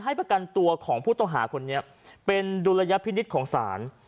ประกันตัวของผู้ต้องหาคนนี้เป็นดุลยพินิษฐ์ของศาล